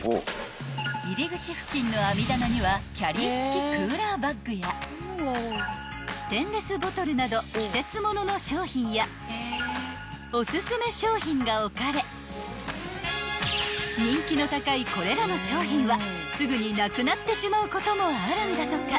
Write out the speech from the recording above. ［入り口付近の網棚にはキャリー付きクーラーバッグやステンレスボトルなど季節物の商品やおすすめ商品が置かれ人気の高いこれらの商品はすぐになくなってしまうこともあるんだとか］